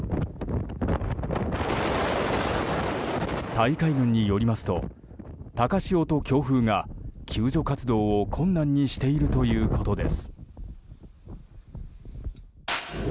タイ海軍によりますと高潮と強風が救助活動を困難にしているということです。